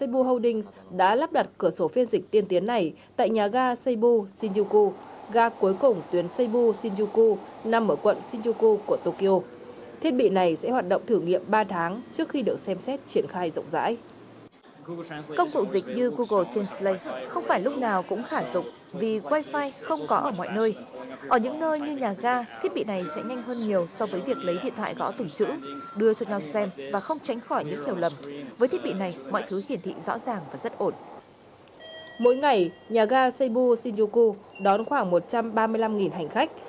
mỗi ngày nhà ga seibu shinjuku đón khoảng một trăm ba mươi năm hành khách